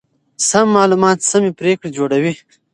سم معلومات سمې پرېکړې جوړوي.